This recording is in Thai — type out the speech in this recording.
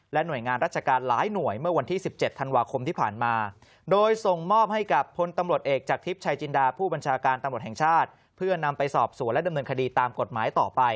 และหน่วยงานราชการหลายหน่วย